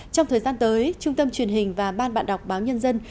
trong thời gian tới trung tâm truyền hình và ban bạn đọc báo nhân dân